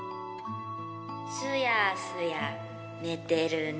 すやすやねてるね。